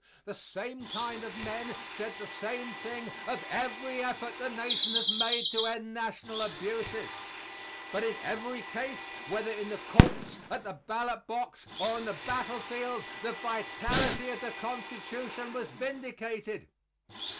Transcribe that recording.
The same kind of men said the same thing of every effort the Nation has made to end national abuses. But in every case, whether in the courts, at the ballot box, or on the battlefield, the vitality of the Constitution was vindicated.